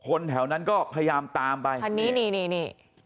แถวนั้นก็พยายามตามไปคันนี้นี่นี่